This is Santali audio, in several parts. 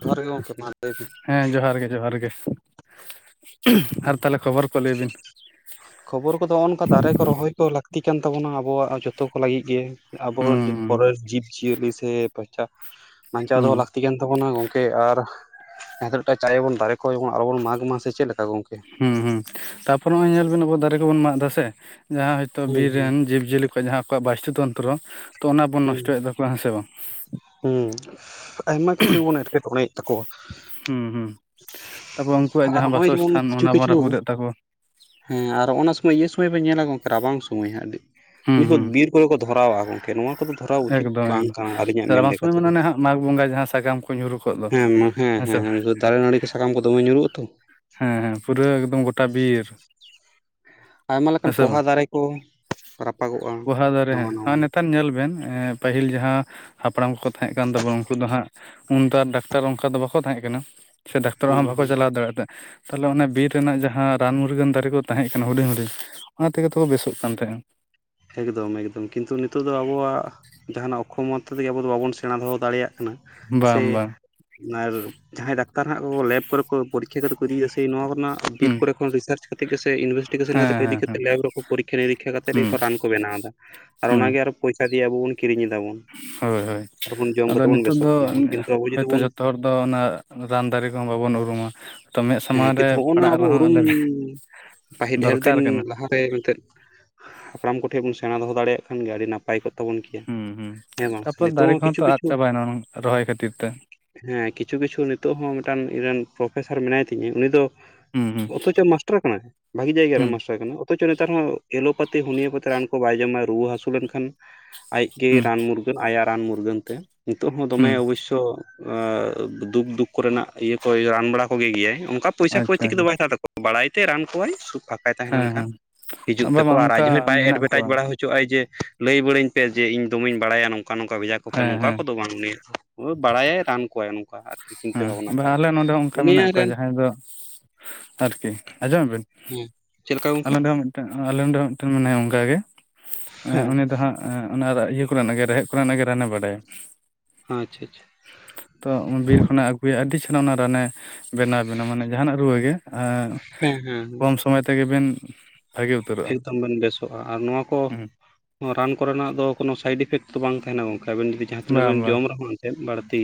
ᱡᱚᱦᱟᱨ ᱜᱮ ᱜᱚᱝᱠᱮ ᱢᱟ ᱞᱟᱹᱭᱵᱤᱱ? ᱦᱮᱸ ᱡᱚᱦᱟᱨ ᱜᱮ ᱡᱚᱦᱟᱨ ᱜᱮ ᱟᱨ ᱵᱤᱱ ᱛᱟᱦᱞᱮ ᱠᱷᱚᱵᱚᱨ ᱠᱚ ᱞᱟᱹᱭ ᱵᱤᱱ? ᱠᱷᱚᱵᱚᱨ ᱠᱚ ᱫᱚ ᱚᱱᱚᱝᱠᱟ ᱫᱟᱨᱮ ᱠᱚ ᱨᱚᱦᱚᱭ ᱠᱚ ᱞᱟᱹᱠᱛᱤᱜ ᱠᱟᱱ ᱛᱟᱵᱚᱱᱟ ᱟᱵᱚᱣᱟᱜ ᱡᱚᱛᱚ ᱠᱩ ᱞᱟᱹᱜᱤᱫ ᱜᱮ᱾ ᱟᱵᱚ ᱦᱩᱸ ᱯᱚᱨᱮᱨ ᱡᱤᱵ ᱡᱤᱭᱟᱹᱞᱤ ᱥᱮ ᱯᱳᱪᱟ ᱵᱟᱧᱪᱟᱣ ᱫᱚᱦᱚ ᱦᱩᱸ ᱞᱟᱹᱠᱛᱤ ᱠᱟᱱ ᱛᱟᱵᱩᱱᱟ ᱜᱚᱝ ᱠᱮ ᱟᱨ ᱡᱟᱦᱟᱸ ᱴᱟᱜ ᱪᱟᱭᱟᱵᱚᱱ ᱫᱟᱨᱮ ᱠᱚ ᱡᱮᱚᱱ ᱟᱞᱚᱵᱚᱱ ᱢᱟᱜᱽ ᱢᱟ ᱥᱮ ᱪᱮᱫ ᱞᱮᱠᱟ ᱜᱚᱝᱠᱮ? ᱦᱩᱸ ᱦᱩᱸ ᱛᱟᱯᱚᱨ ᱱᱚᱜ-ᱚᱭ ᱧᱮᱞᱵᱤᱱ ᱟᱵᱚ ᱫᱟᱨᱮ ᱠᱚᱵᱚᱱ ᱢᱟᱜ ᱫᱟ ᱥᱮ ᱡᱟᱦᱟᱸ ᱦᱳᱭᱛᱚ ᱦᱩᱸ ᱵᱤᱨ ᱦᱩᱸ ᱨᱮᱱ ᱡᱤᱵ ᱡᱤᱭᱟᱹᱞᱤ ᱠᱚ ᱡᱟᱦᱟᱸ ᱟᱠᱚᱣᱟᱜ ᱵᱟᱥᱛᱩ ᱛᱚᱱᱛᱨᱚ ᱛᱚ ᱚᱱᱟ ᱵᱚᱱ ᱦᱩᱸ ᱱᱚᱥᱴᱚᱭᱮᱫ ᱛᱟᱠᱩᱣᱟ ᱦᱮᱸ ᱥᱮ ᱵᱟᱝ? ᱦᱩᱸ ᱟᱭᱢᱟ ᱠᱤᱪᱷᱩ ᱵᱚᱱ ᱮᱸᱴᱠᱮᱴᱚᱬᱮᱭᱮᱫ ᱛᱟᱠᱚᱣᱟ᱾ ᱦᱩᱸ ᱦᱩᱸ ᱛᱟᱯᱚᱨ ᱩᱱᱠᱩᱣᱟᱜ ᱟᱨ ᱡᱟᱦᱟᱸ ᱱᱚᱜᱼᱚᱭ ᱡᱮᱢᱚᱱ ᱵᱟᱥᱚᱥᱛᱷᱟᱱ ᱠᱤᱪᱷᱩ ᱚᱱᱟ ᱵᱚᱱ ᱠᱤᱪᱷᱩ ᱨᱟᱹᱯᱩᱫᱮᱫ ᱛᱟᱠᱚᱣᱟ᱾ ᱦᱮᱸ ᱟᱨ ᱚᱱᱟ ᱥᱚᱢᱚᱭ ᱤᱭᱟᱹ ᱥᱚᱢᱚᱭ ᱵᱮᱱ ᱧᱮᱞᱟ ᱜᱚᱝᱠᱮ ᱨᱟᱵᱟᱝ ᱥᱩᱢᱚᱭ ᱦᱟᱜ ᱟᱹᱰᱤ ᱦᱩᱸ ᱦᱩᱸ ᱵᱤᱨ ᱠᱚᱭ ᱠᱚ ᱫᱷᱚᱨᱟᱣᱟ ᱜᱚᱝᱠᱮ ᱱᱚᱣᱟ ᱠᱚᱫᱚ ᱫᱷᱚᱨᱟᱣ ᱩᱪᱤᱛ ᱮᱠᱫᱚᱢ ᱵᱟᱝ ᱮᱠᱫᱚᱢ ᱠᱟᱱᱟ, ᱟᱞᱤ ᱧᱟ ᱢᱮᱱ ᱨᱟᱵᱟᱝ ᱥᱚᱢᱚᱭ ᱞᱮᱠᱟᱛᱮ ᱢᱟᱱᱮ ᱫᱚ ᱚᱱᱮ ᱦᱟᱸᱜ ᱢᱟᱜᱽ ᱵᱚᱸᱜᱟ ᱡᱟᱦᱟᱸ ᱥᱟᱠᱟᱢ ᱠᱚ ᱧᱩᱨᱩ ᱠᱚᱜ ᱫᱚ ᱦᱮᱸ ᱦᱮᱸ ᱥᱮ ᱵᱟᱝ ᱦᱮᱸᱱ ᱫᱟᱨᱮ ᱱᱟᱲᱤ ᱥᱟᱠᱟᱢ ᱠᱚ ᱫᱚ ᱫᱚᱢᱮ ᱧᱩᱨᱩᱜ-ᱟ ᱛᱚ, ᱦᱮᱸ ᱦᱮᱸ ᱯᱩᱨᱟᱹ ᱮᱠᱫᱚᱢ ᱜᱚᱴᱟ ᱵᱤᱨ, ᱟᱭᱢᱟ ᱦᱮᱸ ᱞᱮᱠᱟᱱ ᱥᱮ ᱵᱟᱝ ᱯᱚᱦᱟ ᱫᱟᱨᱮ ᱠᱚ ᱨᱟᱯᱟᱜᱚᱜᱼᱟ ᱯᱳᱦᱟ ᱫᱟᱨᱮ ᱱᱟᱣᱟ ᱟ ᱱᱟᱣᱟᱱᱟᱜ ᱱᱮᱛᱟᱨ ᱧᱮᱞ ᱵᱮᱱ ᱮᱸᱻ ᱯᱟᱹᱦᱤᱞ ᱡᱟᱦᱟᱸ ᱦᱟᱯᱲᱟᱢ ᱠᱚᱠᱚ ᱛᱟᱦᱮᱸᱜ ᱠᱟᱱ ᱛᱟᱵᱚᱱᱟ ᱩᱱᱠᱩ ᱫᱚ ᱦᱟᱸᱜ ᱩᱱ ᱛᱚ ᱟᱨ ᱰᱟᱠᱴᱟᱨ ᱚᱱᱠᱟ ᱫᱚ ᱵᱟᱠᱚ ᱛᱟᱦᱮᱸᱜ ᱠᱟᱱᱟ ᱥᱮ ᱰᱟᱠᱛᱟᱨ ᱚᱲᱟᱜ ᱦᱩᱸ ᱦᱚᱸ ᱵᱟᱠᱚ ᱦᱩᱸ ᱪᱟᱞᱟᱣ ᱫᱟᱲᱮᱭᱟᱜ ᱛᱟᱦᱮᱸ ᱛᱟᱦᱞᱮ ᱚᱱᱟ ᱵᱤᱨ ᱨᱮᱱᱟᱜ ᱡᱟᱦᱟᱸ ᱨᱟᱱ ᱢᱩᱨᱜᱟᱹᱱ ᱫᱟᱨᱤ ᱠᱩ ᱛᱟᱦᱮᱸᱜ ᱠᱟᱱᱟ ᱦᱩᱰᱤᱧ ᱦᱩᱰᱤᱧ ᱚᱱᱟ ᱛᱮ ᱜᱮ ᱛᱚ ᱠᱚ ᱵᱮᱥᱚᱜ ᱠᱟᱱ ᱛᱟᱦᱮᱸᱜ-ᱟ᱾ ᱮᱠᱫᱚᱢ ᱮᱠᱫᱚᱢ ᱠᱤᱱᱛᱩ ᱱᱤᱛᱳᱜ ᱫᱚ ᱟᱵᱩᱣᱟᱜ ᱡᱟᱦᱟᱱᱟᱜ ᱚᱠᱠᱷᱚᱢᱚᱛ ᱛᱮ ᱜᱮ ᱟᱵᱩ ᱵᱟᱵᱩᱱ ᱥᱮᱬᱟ ᱫᱚᱦᱚ ᱫᱟᱲᱮᱭᱟᱜ ᱠᱟᱱᱟ᱾ ᱥᱮ ᱵᱟᱝ ᱵᱟᱝ ᱟᱨ ᱡᱟᱦᱟᱸᱭ ᱰᱟᱠᱛᱟᱨ ᱦᱟᱸᱜ ᱠᱚ ᱞᱮᱵ ᱠᱚᱨᱮ ᱠᱚ ᱯᱚᱨᱤᱠᱠᱷᱟ ᱠᱟᱛᱮ ᱠᱚ ᱤᱫᱤᱭᱫᱟ ᱥᱮ ᱱᱚᱣᱟ ᱠᱚ ᱱᱟ ᱵᱤᱨ ᱦᱩᱸ ᱠᱚᱨᱮ ᱠᱷᱚᱱ ᱨᱤᱥᱟᱨᱪ ᱠᱟᱛᱮᱜ ᱜᱮ ᱥᱮ ᱤᱱᱵᱷᱮᱥᱴᱤᱠᱮᱥᱮᱱ ᱦᱮᱸ ᱠᱟᱛᱮ ᱠᱚ ᱦᱮᱸ ᱤᱫᱤ ᱠᱟᱛᱮ ᱦᱮᱸ ᱞᱮᱵ ᱨᱮᱠᱚ ᱯᱚᱨᱤᱠᱷᱟ ᱱᱤᱨᱤᱠᱠᱷᱟ ᱠᱟᱛᱮᱫ ᱦᱩᱸ ᱜᱮᱠᱚ ᱨᱟᱱ ᱠᱚ ᱵᱮᱱᱟᱣ ᱫᱟ ᱟᱨ ᱦᱩᱸ ᱚᱱᱟᱜᱮ ᱯᱚᱭᱥᱟ ᱫᱤᱭᱮ ᱟᱵᱚ ᱵᱚᱱ ᱠᱤᱨᱤᱧ ᱮᱫᱟᱵᱚᱱ᱾ ᱦᱳᱭ ᱦᱳᱭ ᱟᱨᱵᱚᱱ ᱡᱚᱢ ᱟᱫᱚ ᱠᱟᱛᱮ ᱵᱚᱱ ᱱᱤᱛᱳᱜ ᱵᱮᱥᱚᱜ ᱫᱚ ᱠᱟᱱᱟ ᱵᱚᱱ ᱠᱤᱱᱛᱩ ᱟᱵᱚ ᱡᱩᱫᱤ ᱦᱳᱭᱛᱚ ᱵᱚᱱ ᱡᱚᱛᱚ ᱦᱚᱲ, ᱫᱚ ᱚᱱᱟ ᱨᱟᱱ ᱫᱟᱨᱮ ᱠᱚᱦᱚᱸ ᱵᱟᱵᱚᱱ ᱩᱨᱩᱢᱟ, ᱛᱚ ᱢᱮᱫ ᱦᱮᱸ ᱥᱟᱢᱟᱝ ᱨᱮ ᱠᱤᱱᱛᱩ ᱦᱚᱜ ᱱᱟ ᱯᱟᱲᱟᱜ ᱟᱵᱩ ᱨᱮᱦᱚᱸ ᱩᱨᱩᱢ ᱟᱞᱮ ᱯᱟᱦᱤ ᱰᱷᱮᱨ ᱫᱚᱨᱠᱟᱨ ᱫᱤᱱ ᱠᱟᱱᱟ ᱞᱟᱦᱟ ᱯᱮ ᱮᱱᱛᱮᱫ ᱦᱟᱯᱲᱟᱢ ᱠᱚᱴᱷᱮᱡ ᱵᱚᱱ ᱥᱮᱬᱟ ᱫᱚᱦᱚ ᱫᱟᱲᱮᱭᱟᱜ ᱠᱷᱟᱱ ᱜᱮ ᱟᱹᱰᱤ ᱱᱟᱯ ᱯᱟᱭ ᱠᱚᱜ ᱛᱟᱵᱚᱱ ᱠᱮᱭᱟ ᱦᱩᱸ ᱦᱩᱸ ᱦᱮᱸ ᱵᱟᱝ ᱥᱮ ᱛᱟᱯᱚᱨ ᱱᱤᱛᱳ ᱫᱟᱨᱮ ᱦᱚᱸ ᱠᱚᱦᱚᱸ ᱠᱤᱪᱷᱩ ᱛᱚ ᱟᱫ ᱠᱤᱪᱷᱩ ᱪᱟᱵᱟᱭᱮᱱᱟ ᱨᱚᱦᱚᱭ ᱠᱷᱟᱹᱛᱤᱨ ᱛᱮ ᱦᱮᱸ ᱠᱤᱪᱷᱩ ᱠᱤᱪᱷᱩ ᱱᱤᱛᱳᱜ ᱦᱚᱸ ᱢᱤᱫ ᱴᱟᱝ ᱤᱧ ᱨᱮᱱ ᱯᱨᱚᱯᱷᱮᱥᱟᱨ ᱢᱮᱱᱟᱭ ᱛᱤᱧᱟᱹ ᱩᱱᱤ ᱫᱚ ᱦᱩᱸ ᱦᱩᱸ ᱚᱛᱷᱚ ᱪᱚᱭ ᱢᱟᱥᱴᱚᱨ ᱠᱟᱱᱟᱭ ᱵᱷᱟᱜᱤ ᱡᱟᱭᱜᱟ ᱨᱮ ᱦᱩᱸ ᱢᱟᱥᱴᱟᱨ ᱠᱟᱱᱟᱭ ᱚᱛᱷᱚᱪᱚ ᱱᱮᱛᱟᱨ ᱦᱚᱸ ᱮᱞᱳᱯᱟᱛᱤ ᱦᱳᱱᱤᱭᱟᱹᱯᱟᱹᱛᱤ ᱨᱟᱱ ᱠᱚ ᱵᱟᱭ ᱡᱚᱢᱟᱭ ᱨᱩᱣᱟᱹ ᱦᱟᱹᱥᱩ ᱞᱮᱱᱠᱷᱟᱱ᱾ ᱟᱡᱜᱮ ᱦᱩᱸ ᱨᱟᱱ ᱢᱩᱨᱜᱟᱹᱱ ᱟᱭᱟᱜ ᱨᱟᱱ ᱢᱩᱨᱜᱟᱹᱱ ᱛᱮ ᱱᱤᱛᱳᱜ ᱦᱚᱸ ᱫᱚᱢᱮ ᱦᱩᱸ ᱚᱵᱳᱥᱥᱚ ᱟ ᱫᱩᱠ ᱫᱩᱠ ᱠᱚᱨᱮᱱᱟᱜ ᱤᱭᱟᱹ ᱠᱚᱭ ᱨᱟᱱ ᱵᱟᱲᱟ ᱠᱚᱜᱮ ᱜᱮᱭᱟᱭ ᱚᱱᱠᱟ ᱯᱚᱭᱥᱟ ᱟᱪᱪᱷᱟ ᱠᱷᱚᱭᱛᱤ ᱠᱚᱫᱚ ᱟᱪᱪᱷᱟ ᱵᱟᱭ ᱦᱟᱜ ᱛᱟᱠᱚᱣᱟ ᱵᱟᱲᱟᱭ ᱛᱮ ᱨᱟᱱ ᱠᱚᱣᱟᱭ ᱥᱩᱵ ᱯᱷᱟᱸᱠᱟᱭ ᱛᱟᱦᱮᱸ ᱦᱮᱸ ᱞᱮᱱᱠᱷᱟᱱ ᱦᱮᱸ ᱦᱤᱡᱩᱜ ᱵᱟᱝ ᱛᱟᱠᱚ ᱵᱟᱝ ᱟᱨ ᱟᱡ ᱚᱱᱠᱟ ᱦᱚᱸᱭ ᱵᱟᱭ ᱢᱮᱱᱟᱜ ᱮᱰᱵᱷᱮᱴᱟᱡᱽ ᱠᱚᱣᱟ ᱵᱟᱲᱟ ᱦᱚᱪ ᱦᱚᱪᱚᱜ ᱟᱭ ᱡᱮ ᱞᱟᱹᱭ ᱵᱟᱹᱲᱟᱹᱧ ᱯᱮ ᱡᱮ ᱤᱧ ᱫᱚᱢᱮᱧ ᱵᱟᱲᱟᱭᱟ ᱱᱚᱝᱠᱟ ᱱᱚᱝᱠᱟ ᱵᱷᱮᱡᱟ ᱠᱚᱯᱮ ᱦᱮᱸ ᱱᱚᱝᱠᱟ ᱦᱮᱸ ᱠᱚ ᱫᱚ ᱵᱟᱝ ᱩᱱᱤ ᱵᱟᱲᱟᱭᱟᱭ ᱨᱟᱱ ᱠᱚᱣᱟᱭ ᱱᱚᱝᱠᱟ ᱟᱨ ᱦᱮᱸ ᱵᱷᱟᱞᱮ ᱱᱚᱰᱮ ᱚᱱᱠᱟ ᱢᱮᱱᱟᱜ ᱠᱚᱣᱟ ᱨᱮᱱ ᱡᱟᱦᱟᱸᱭ ᱫᱚ ᱟᱨᱠᱤ ᱟᱸᱡᱚᱢ ᱟᱵᱤᱱ ᱦᱮᱸ ᱪᱮᱫ ᱞᱮᱠᱟ ᱟᱞ ᱜᱚᱝᱠᱮ ᱫᱚ ᱢᱤᱫᱴᱮᱱ ᱟᱞᱮ ᱱᱚᱰᱚᱮ ᱢᱤᱫᱴᱮᱱ ᱢᱮᱱᱟᱭᱟ ᱚᱱᱠᱟ ᱜᱮ ᱦᱮᱸ ᱩᱱᱤ ᱫᱚ ᱦᱟᱸᱜ ᱮᱜ ᱚᱱᱟ ᱤᱭᱟᱹ ᱠᱚᱨᱮᱱᱟᱜ ᱜᱮ ᱨᱮᱦᱮᱫ ᱠᱚᱨᱮᱱᱟᱜ ᱜᱮ ᱨᱟᱱᱮ ᱵᱟᱲᱟᱭᱟ ᱟᱪᱪᱷᱟ ᱟᱪᱪᱷᱟ ᱛᱚ ᱵᱤᱨ ᱠᱷᱚᱱᱮ ᱟᱹᱜᱩᱭᱟ ᱟᱹᱰᱤ ᱪᱷᱟᱱᱮ ᱚᱱᱟ ᱨᱟᱱᱮ ᱵᱮᱱᱟᱣ ᱵᱮᱱᱟ ᱢᱟᱱᱮ ᱡᱟᱦᱟᱱᱟᱜ ᱨᱩᱣᱟᱹᱜ ᱜᱮ ᱦᱮᱸ ᱦᱮᱸ ᱠᱚᱢ ᱥᱚᱢᱚᱭ ᱛᱮ ᱜᱮ ᱵᱮᱱ ᱮᱠᱫᱚᱢ ᱵᱮᱱ ᱵᱮᱥᱚᱜᱼᱟ ᱟᱨ ᱱᱚᱣᱟ ᱠᱚ ᱦᱩᱸ ᱨᱟᱱ ᱠᱚᱨᱮᱱᱟᱜ ᱫᱚ ᱠᱳᱱᱚ ᱥᱟᱭᱤᱰ ᱤᱯᱷᱮᱠᱴ ᱫᱚ ᱵᱟᱝ ᱛᱟᱦᱮᱱᱟ ᱜᱚᱝᱠᱮ ᱟᱵᱮᱱ ᱡᱩᱫᱤ ᱡᱟᱦᱟᱸ ᱛᱤᱱᱟᱹᱜ ᱵᱟᱝ ᱵᱮᱱ ᱵᱟᱝ ᱡᱚᱢ ᱨᱮᱦᱚ ᱮᱫ ᱵᱟᱲᱛᱤ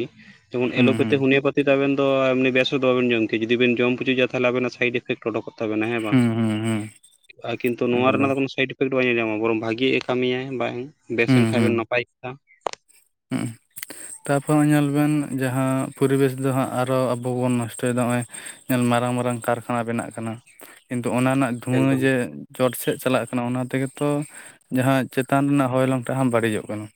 ᱡᱮᱢᱚᱱ ᱦᱩᱸ ᱮᱞᱳᱯᱟᱛᱷᱤ ᱦᱩᱸ ᱦᱳᱱᱭᱟ ᱯᱟᱛᱤ ᱟᱵᱮᱱ ᱫᱚ ᱮᱢᱱᱤ ᱵᱮᱥᱩᱫ ᱫᱚ ᱵᱮᱱ ᱡᱚᱢ ᱠᱮ ᱡᱩᱫᱤ ᱵᱮᱱ ᱡᱚᱢ ᱯᱩᱪᱩᱪᱟ ᱛᱟᱦᱟᱞᱮ ᱟᱵᱮᱱᱟᱜ ᱥᱟᱭᱤᱴ ᱤᱯᱷᱮᱠᱴ ᱚᱰᱚᱠᱚᱜᱼᱟ ᱦᱩᱸ ᱦᱩᱸ ᱦᱩᱸ ᱠᱤᱱᱛᱩ ᱱᱚᱣᱟ ᱨᱮᱱᱟᱜ ᱮᱠᱫᱚᱢ ᱫᱚ ᱠᱳᱱᱳ ᱥᱟᱭᱮᱰ ᱤᱯᱷᱮᱠᱴ ᱵᱟᱭ ᱧᱸᱮᱞᱡᱟᱢᱟ ᱵᱚᱨᱚᱝ ᱵᱷᱟᱜᱤ ᱮ ᱠᱟᱹᱢᱤᱭᱟ ᱵᱟᱭ ᱵᱮᱥ ᱦᱩᱸ ᱮᱱ ᱠᱷᱟᱱ ᱦᱩᱸ ᱵᱮᱱ ᱱᱟᱯᱟᱭ ᱠᱟᱛᱷᱟ ᱦᱩᱸ ᱛᱟᱨᱯᱚᱨ ᱱᱚᱜᱚᱭ ᱧᱮᱞ ᱵᱮᱱ ᱡᱟᱦᱟᱸ ᱯᱚᱨᱤᱵᱮᱥ ᱫᱚ ᱦᱟᱸᱜ ᱟᱨᱚ ᱟᱵᱚ ᱵᱚᱱ ᱱᱚᱥᱴᱚᱭᱮᱫᱟ ᱱᱚᱜᱚᱭ ᱮᱠᱮᱱ ᱢᱟᱨᱟᱝ ᱢᱟᱨᱟᱝ ᱠᱟᱨᱠᱷᱟᱱᱟ ᱵᱮᱱᱟᱜ ᱠᱟᱱᱟ ᱠᱤᱱᱛᱩ ᱚᱱᱟ ᱨᱮᱱᱟ ᱫᱷᱩᱣᱟᱹ ᱮᱠᱫᱚᱢ ᱡᱮ ᱪᱚᱴ ᱥᱮᱫ ᱪᱟᱞᱟᱜ ᱠᱟᱱᱟ ᱚᱱᱟ ᱛᱮᱜᱮ ᱛᱚ ᱡᱟᱦᱟᱸ ᱪᱮᱛᱟᱱ ᱨᱮᱱᱟᱜ ᱦᱚᱭᱞᱚᱝ ᱴᱟᱜ ᱦᱚᱸ ᱵᱟᱹᱲᱤᱡᱚᱜ ᱠᱟᱱᱟ᱾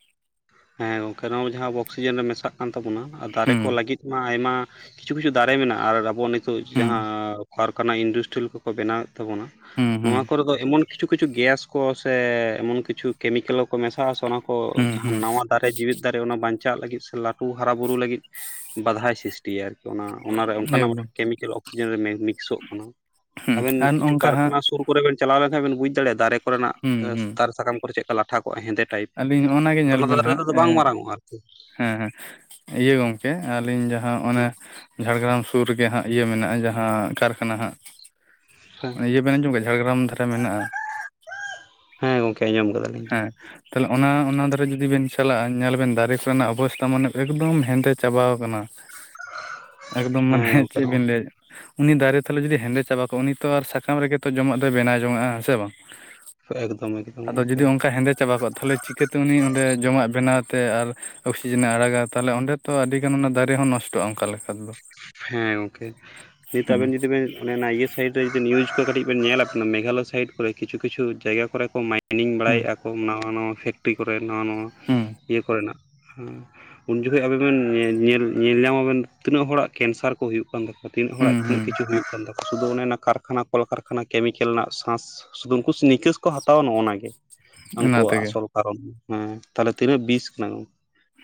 ᱦᱮᱸ ᱜᱚᱝᱠᱮ ᱱᱚᱣᱟ ᱡᱟᱦᱟᱸ ᱚᱠᱥᱤᱡᱮᱱ ᱨᱮ ᱢᱮᱥᱟᱜ ᱠᱟᱱ ᱛᱟᱵᱚᱱᱟ ᱫᱟᱨᱮ ᱦᱩᱸ ᱠᱚ ᱞᱟᱹᱜᱤᱫ ᱢᱟ ᱟᱭᱢᱟ ᱠᱤᱪᱷᱩ ᱠᱤᱪᱷᱩ ᱫᱟᱨᱮ ᱢᱮᱱᱟᱜᱼᱟ ᱟᱨ ᱟᱵᱚ ᱱᱤᱛᱚᱜ ᱦᱩᱸ ᱡᱟᱦᱟᱸ ᱯᱷᱟᱨᱠᱟᱱᱟᱭ ᱤᱱᱰᱤᱥᱴᱤᱞ ᱠᱚᱠᱚ ᱵᱮᱱᱟᱣ ᱮᱫ ᱛᱟᱵᱚᱱᱟ ᱦᱩᱸ ᱦᱩᱸ ᱱᱚᱣᱟ ᱠᱚᱨᱮᱫᱚ ᱮᱢᱚᱱ ᱠᱤᱪᱷᱩ ᱠᱤᱪᱷᱩ ᱜᱮᱥ ᱠᱚ ᱥᱮ ᱮᱢᱚᱱ ᱠᱤᱪᱷᱩ ᱠᱮᱢᱤᱠᱮᱞ ᱠᱚ ᱢᱮᱥᱟᱜᱼᱟ ᱥᱮ ᱚᱱᱟ ᱠᱚ ᱦᱩᱸ ᱡᱟᱦᱟᱸ ᱦᱩᱸ ᱱᱟᱣᱟ ᱫᱟᱨᱮ ᱫᱟᱨᱮ ᱚᱱᱟ ᱵᱟᱧᱪᱟᱜ ᱞᱟᱹᱜᱤᱫ ᱥᱮ ᱞᱟᱹᱴᱩ ᱦᱟᱨᱟᱵᱩᱨᱩ ᱞᱟᱹᱜᱤᱫ ᱵᱟᱫᱷᱟᱭ ᱥᱤᱥ ᱴᱤᱭᱟ ᱟᱨᱠᱤ ᱚᱱᱟ ᱚᱱᱟᱨᱮ ᱚᱱᱠᱟᱱᱟᱜ ᱮᱠᱫᱚᱢ ᱠᱮᱢᱤᱠᱮᱞ ᱚᱠᱥᱤᱡᱮᱱ ᱨᱮ ᱢᱤᱠᱥᱚᱜ ᱠᱟᱱᱟ᱾ ᱦᱩᱸ ᱟᱵᱮᱱ ᱟᱨ ᱠᱤᱪᱷᱩ ᱱᱚᱝᱠᱟ ᱦᱟᱸᱜ ᱠᱟᱨᱠᱷᱟᱱᱟ ᱥᱩᱨ ᱠᱚᱨᱮ ᱵᱮᱱ ᱪᱟᱞᱟᱣ ᱞᱮᱱᱠᱷᱟᱱ ᱵᱮᱱ ᱵᱩᱡ ᱫᱟᱲᱮᱭᱟᱜ-ᱟ ᱫᱟᱨᱮ ᱠᱚᱨᱮᱱᱟᱜ ᱦᱩᱸ ᱦᱩᱸ ᱫᱟᱨᱮ ᱥᱟᱠᱟᱢ ᱠᱚᱨᱮ ᱪᱮᱫ ᱞᱮᱠᱟ ᱞᱟ ᱴᱟᱷᱟ ᱠᱚᱜᱼᱟ ᱦᱮᱸᱫᱮ ᱴᱟᱭᱤᱯ ᱟᱹᱞᱤᱧ ᱱᱚᱜᱼᱚ ᱱᱟ ᱜᱮ ᱟᱫᱚ ᱧᱮᱞ ᱚᱱᱟ ᱵᱮᱱ ᱫᱟᱨᱮ ᱦᱟᱸᱜ ᱫᱚ ᱵᱟᱝ ᱮᱸ ᱢᱟᱨᱟᱝ ᱚᱜᱼᱟ ᱟᱨᱠᱤ᱾ ᱦᱮᱸ ᱦᱮᱸ ᱤᱭᱟᱹ ᱜᱚᱝᱠᱮ ᱟᱹᱞᱤᱧ ᱡᱟᱦᱟᱸ ᱚᱱᱮ ᱡᱷᱟᱲᱜᱨᱟᱢ ᱥᱩᱨ ᱨᱮᱜᱮ ᱦᱟᱸᱜ ᱤᱭᱟᱹ ᱢᱮᱱᱟᱜᱼᱟ ᱡᱟᱦᱟᱸ ᱠᱟᱨᱠᱷᱟᱱᱟ ᱦᱟᱸᱜ ᱦᱮᱸ ᱤᱭᱟᱹᱵᱮᱱ ᱟᱸᱧᱡᱚᱢ ᱠᱟᱫᱟ ᱡᱷᱟᱲᱜᱟᱨᱟᱢ ᱫᱷᱟᱨᱮ ᱢᱮᱱᱟᱜᱼᱟ ᱦᱮᱸ ᱜᱚᱝᱠᱮ ᱟᱸᱡᱚᱢ ᱠᱟᱫᱟᱞᱤᱧ ᱦᱮᱸ ᱛᱟᱦᱚᱞᱮ ᱚᱱᱟ ᱚᱱᱟ ᱫᱷᱟᱨᱮ ᱡᱩᱫᱤ ᱵᱮᱱ ᱪᱟᱞᱟᱜᱼᱟ ᱧᱮᱞ ᱵᱮᱱ ᱫᱟᱨᱮ ᱠᱚᱨᱮᱱᱟᱜ ᱚᱵᱚᱥᱛᱟ ᱢᱟᱱᱮ ᱮᱠᱫᱚᱢ ᱦᱮᱸᱫᱮ ᱪᱟᱵᱟᱣ ᱟᱠᱱᱟ ᱮᱠᱫᱚᱢ ᱦᱮᱸ ᱢᱟᱱᱮ ᱜᱚᱝᱠᱮ ᱪᱮᱫ ᱵᱤᱱ ᱞᱟᱹᱭᱟ ᱩᱱᱤ ᱫᱟᱨᱮ ᱛᱟᱞᱮ ᱡᱩᱫᱤ ᱦᱮᱸᱫᱮ ᱪᱟᱵᱟ ᱠᱚᱜᱼᱟ ᱩᱱᱤ ᱛᱚ ᱟᱨ ᱥᱟᱠᱟᱢ ᱨᱮᱜᱮ ᱛᱚ ᱡᱚᱢᱟᱜ ᱫᱚᱭ ᱵᱮᱱᱟᱣ ᱡᱚᱝᱟᱼᱟ ᱦᱮᱸ ᱥᱮ ᱵᱟᱝ ᱮᱠᱫᱚᱢ ᱮᱠᱫᱚᱢ ᱟᱫᱚ ᱜᱚᱝᱠᱮ ᱡᱩᱫᱤ ᱚᱱᱠᱟ ᱦᱮᱸᱫᱮ ᱪᱟᱵᱟ ᱠᱚᱜᱼᱟ ᱛᱟᱦᱚᱞᱮ ᱪᱤᱠᱟᱹᱛᱮ ᱩᱱᱤ ᱚᱸᱰᱮ ᱡᱚᱢᱟᱜ ᱵᱮᱱᱟᱣ ᱛᱮ ᱟᱨ ᱚᱠᱥᱤᱡᱮᱱᱮ ᱟᱲᱟᱜᱟ ᱛᱟᱦᱚᱞᱮ ᱚᱸᱰᱮ ᱛᱚ ᱟᱹᱰᱤ ᱜᱟᱱ ᱚᱱᱟ ᱫᱟᱨᱮ ᱦᱚᱸ ᱱᱚᱥᱴᱚᱜᱼᱟ ᱚᱱᱠᱟ ᱞᱮᱠᱟ ᱛᱮᱫᱚ ᱦᱮᱸ ᱜᱚᱝᱠᱮ ᱱᱤᱛ ᱦᱩᱸ ᱟᱵᱮᱱ ᱡᱩᱫᱤ ᱵᱮᱱ ᱚᱱᱮ ᱚᱱᱟ ᱤᱭᱟ ᱥᱚ ᱥᱟᱭᱤᱴ ᱨᱮ ᱡᱩᱫᱤ ᱱᱤᱭᱩᱡᱽ ᱠᱚ ᱠᱟᱹᱴᱤᱡ ᱵᱮᱱ ᱧᱮᱞᱟ ᱠᱟᱱᱟ ᱢᱮᱜᱷᱟ ᱞᱚᱭ ᱥᱟᱭᱤᱰ ᱠᱚ ᱠᱤᱪᱷᱩ ᱠᱤᱪᱷᱩ ᱡᱟᱭᱜᱟ ᱠᱚᱨᱮ ᱠᱚ ᱢᱟᱭ ᱠᱤᱞᱤᱝ ᱦᱩᱸ ᱵᱟᱲᱟᱭᱮᱫᱼᱟ ᱠᱚ ᱱᱟᱣᱟ ᱱᱟᱣᱟ ᱯᱷᱮᱠᱴᱨᱤ ᱠᱚᱨᱮ ᱱᱟᱣᱟ ᱱᱟᱣᱟ ᱦᱩᱸ ᱤᱭᱟᱹ ᱠᱚᱨᱮᱱᱟᱜ᱾ ᱦᱩ ᱩᱱ ᱡᱚᱠᱷᱚᱱ ᱟᱵᱮᱱ ᱵᱮᱱ ᱧᱮᱞ ᱧᱮᱞ ᱧᱟᱢᱟᱵᱮᱱ ᱛᱤᱱᱟᱹᱜ ᱦᱚᱲᱟᱜ ᱠᱮᱱᱥᱟᱨ ᱠᱚ ᱦᱩᱭᱩᱜ ᱠᱟᱱ ᱛᱟᱠᱚ-ᱟ ᱛᱤᱱᱟᱹᱜ ᱦᱩᱸ ᱦᱚᱲᱟᱜ ᱛᱤᱱᱟᱹᱜ ᱦᱩᱸ ᱠᱤᱪᱷᱩ ᱦᱩᱭᱩᱜ ᱠᱟᱱ ᱛᱟᱠᱚᱣᱟ᱾ ᱥᱩᱫᱷᱩ ᱚᱱᱮ ᱚᱱᱟ ᱠᱟᱨᱠᱷᱟᱱᱟ ᱠᱚᱞᱠᱟᱨᱠᱷᱟᱱᱟ ᱠᱮᱢᱤᱠᱮᱞ ᱨᱮᱱᱟᱜ ᱥᱟᱸᱥ ᱥᱩᱫᱩ ᱩᱱᱠᱩ ᱱᱤᱠᱟᱹᱥ ᱠᱚ ᱦᱟᱛᱟᱣᱟ ᱱᱚᱜ ᱚ ᱱᱟ ᱜᱮ। ᱚᱱᱟ ᱩᱱᱠᱩᱣᱟᱜ ᱛᱮᱜᱮ ᱟᱥᱚᱞ ᱠᱟᱨᱚᱱ ᱦᱮᱸ ᱛᱟᱦᱞᱮ ᱛᱤᱱᱟᱹᱜ ᱵᱤᱥ ᱠᱟᱱᱟ।